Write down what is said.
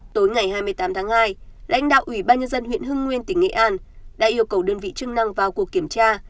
tối ngày hai mươi tám tháng hai lãnh đạo ủy ban nhân dân huyện hưng nguyên tỉnh nghệ an đã yêu cầu đơn vị chức năng vào cuộc kiểm tra